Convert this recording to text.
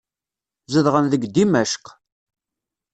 Zedɣen deg Dimecq.